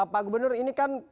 pak gubernur ini kan